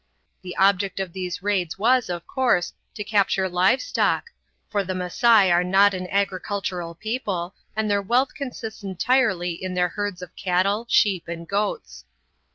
The object of these raids was, of course, to capture live stock, for the Masai are not an agricultural people and their wealth consists entirely in their herds of cattle, sheep and goats.